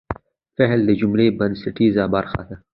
فعل د جملې بنسټیزه برخه ده.